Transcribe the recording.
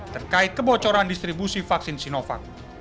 terkait kebocoran distribusi vaksin sinovac